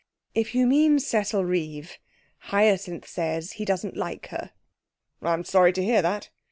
'If you mean Cecil Reeve, Hyacinth says he doesn't like her.' 'I'm sorry to hear that.